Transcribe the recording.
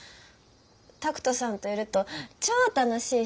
拓門さんといると超楽しいし。